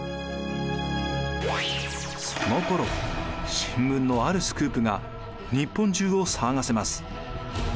そのころ新聞のあるスクープが日本中を騒がせます。